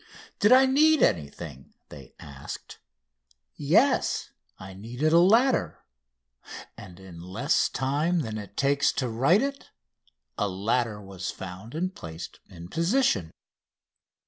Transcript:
Did I need anything? they asked. Yes; I needed a ladder. And in less time than it takes to write it a ladder was found and placed in position.